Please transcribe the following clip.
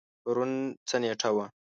پرون څه نیټه وه؟